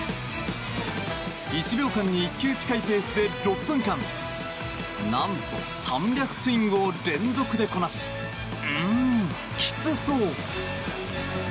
１秒間に１球近いペースで６分間何と３００スイングを連続でこなしうーん、きつそう！